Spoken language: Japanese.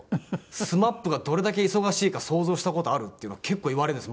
「ＳＭＡＰがどれだけ忙しいか想像した事ある？」っていうのは結構言われるんですよ